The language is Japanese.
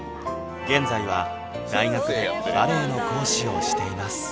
現在は大学でバレエの講師をしています